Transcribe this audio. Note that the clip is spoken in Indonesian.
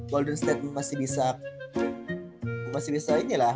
golden state masih bisa masih bisa ini lah